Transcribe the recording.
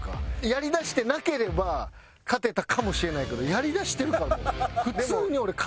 やりだしてなければ勝てたかもしれないけどやりだしてるからもう普通に俺勝つよ。